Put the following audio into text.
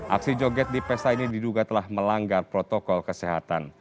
aksi joget di pesta ini diduga telah melanggar protokol kesehatan